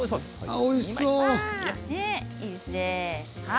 おいしそう。